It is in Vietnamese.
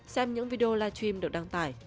xem những video live stream được đăng tải